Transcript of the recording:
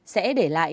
sẽ để lại